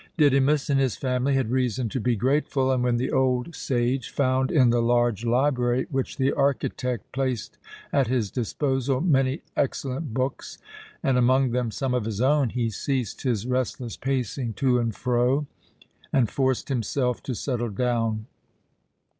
Didymus and his family had reason to be grateful; and when the old sage found in the large library which the architect placed at his disposal many excellent books and among them some of his own, he ceased his restless pacing to and fro and forced himself to settle down.